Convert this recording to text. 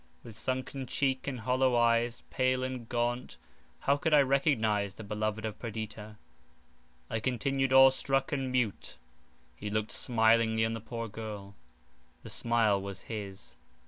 With sunken cheek and hollow eyes, pale and gaunt, how could I recognize the beloved of Perdita? I continued awe struck and mute—he looked smilingly on the poor girl; the smile was his.